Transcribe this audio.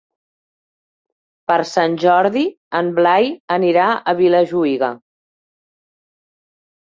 Per Sant Jordi en Blai anirà a Vilajuïga.